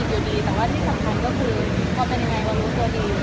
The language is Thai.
แต่ที่สำคัญก็คือออกไปยังไงเรารู้สอดี